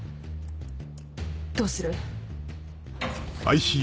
どうする？